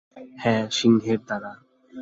হ্যাঁ, সিংহের দ্বারা।